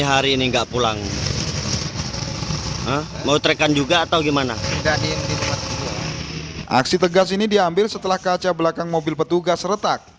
aksi tegas ini diambil setelah kaca belakang mobil petugas retak